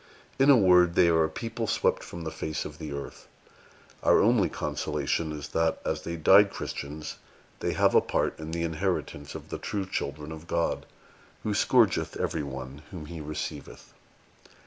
In a word, they are a people swept from the face of the earth. Our only consolation is, that, as they died Christians, they have a part in the inheritance of the true children of God, who scourgeth every one whom He receiveth."